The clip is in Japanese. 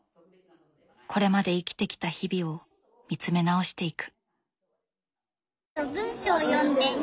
これまで生きてきた日々を見つめ直していく。